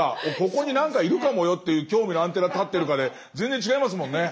ここに何かいるかもよっていう興味のアンテナ立ってるかで全然違いますもんね。